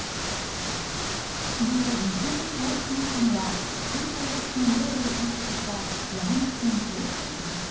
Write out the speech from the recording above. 昨日日本一暑くなったのは３８．０度を観測した山梨県甲州市です。